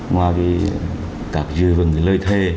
ngoài các dư vừng lời thê